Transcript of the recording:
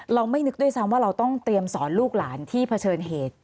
ไม่นึกด้วยซ้ำว่าเราต้องเตรียมสอนลูกหลานที่เผชิญเหตุ